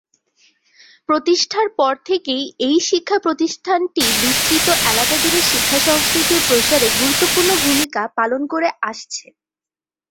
প্রতিষ্ঠার পর থেকেই এই শিক্ষা প্রতিষ্ঠানটি বিস্তৃত এলাকা জুড়ে শিক্ষা সংস্কৃতির প্রসারে গুরুত্বপূর্ণ ভুমিকা পালন করে আসছে।